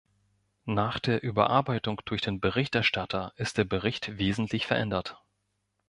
Nach der Überarbeitung durch den Berichterstatter ist der Bericht wesentlich verändert.